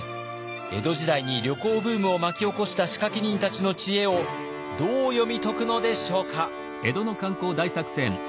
江戸時代に旅行ブームを巻き起こした仕掛け人たちの知恵をどう読み解くのでしょうか。